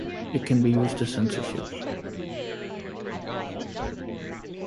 It can be used as censorship.